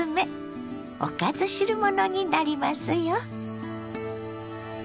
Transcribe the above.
おかず汁物になりますよ。